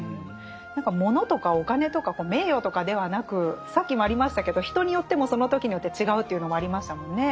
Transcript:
物とかお金とか名誉とかではなくさっきもありましたけど人によってもその時によって違うというのもありましたもんね。